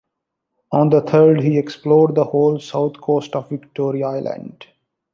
On the third he explored the whole south coast of Victoria Island.